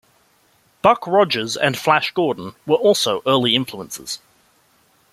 Buck Rogers and Flash Gordon were also early influences.